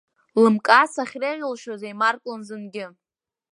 Лымкаа сахьреиӷьылшьоз еимарклон зынгьы.